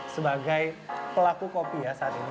sebagai pelaku kopi ya saat ini